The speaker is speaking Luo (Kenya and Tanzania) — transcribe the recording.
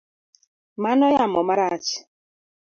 Mano yamo marach.